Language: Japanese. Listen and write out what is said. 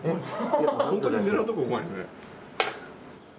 ホントに狙うとこうまいですね。